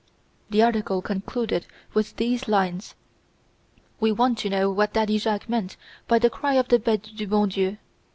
The article concluded with these lines: "We wanted to know what Daddy Jacques meant by the cry of the Bete Du Bon Dieu."